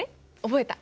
覚えた。